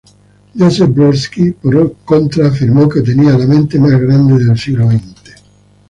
Joseph Brodsky por contra afirmó que tenía "la mente más grande del siglo veinte".